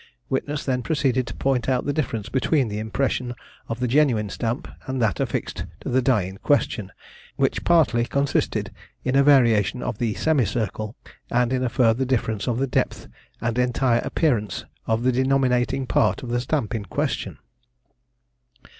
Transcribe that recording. Witness then proceeded to point out the difference between the impression of the genuine stamp, and that affixed to the die in question, which partly consisted in a variation of the semicircle, and in a further difference of the depth and entire appearance of the denominating part of the stamp in question.